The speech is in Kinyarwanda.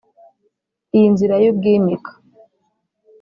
iy’inzira y’ubwimika